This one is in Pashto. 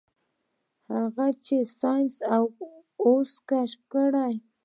هغه څه چې ساينس اوس کشف کړي.